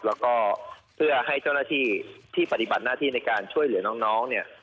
แล้วก็เพื่อให้เจ้าหน้าที่ที่ปฏิบัติหน้าที่ในการช่วยเหลือน้องเนี่ย